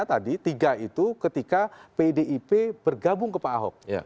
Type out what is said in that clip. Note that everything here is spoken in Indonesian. tadi tiga itu ketika pdip bergabung ke pak ahok